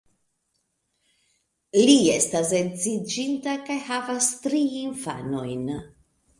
Li estas edziĝinta, kaj havas tri infanojn.